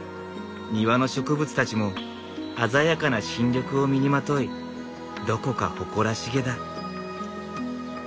庭の植物たちも鮮やかな新緑を身にまといどこか誇らしげだ。